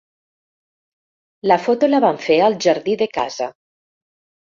La foto la van fer al jardí de casa.